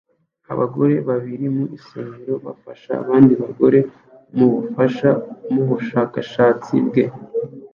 Abagore babiri mu isomero bafasha abandi bagore kumufasha mubushakashatsi bwe